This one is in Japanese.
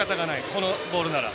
このボールなら。